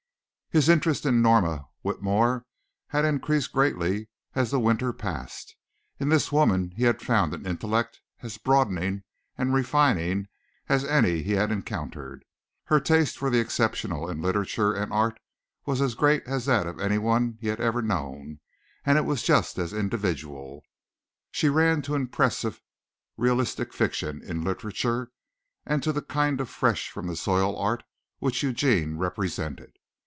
His interest in Norma Whitmore had increased greatly as the winter passed. In this woman he had found an intellect as broadening and refining as any he had encountered. Her taste for the exceptional in literature and art was as great as that of anyone he had ever known and it was just as individual. She ran to impressive realistic fiction in literature and to the kind of fresh from the soil art which Eugene represented.